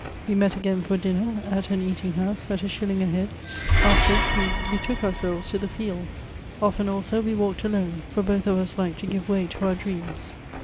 We met again for dinner at an eating house — at a shilling a head ; afterwards we betook our selves to the fields. Often, also, we walked alone, for both of us liked to give way to our dreams.